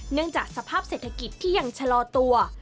เนื่องจากสภาพเศรษฐกิจที่ยังชะลอตัว